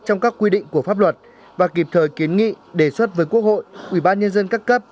trong các quy định của pháp luật và kịp thời kiến nghị đề xuất với quốc hội ủy ban nhân dân các cấp